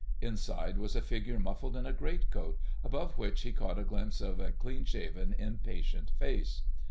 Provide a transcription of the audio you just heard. Inside was a figure muffled in a greatcoat, above which he caught a glimpse of a clean shaven, impatient face.